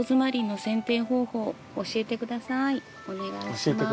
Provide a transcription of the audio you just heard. お願いします。